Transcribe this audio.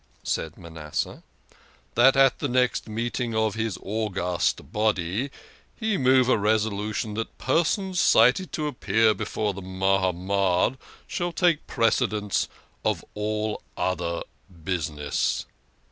said Manasseh, "that at the next meeting of his august body he move a resolution that persons cited to ap pear before the Mahamad shall take precedence of all other business."